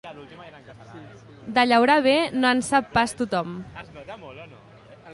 De llaurar bé no en sap pas tothom.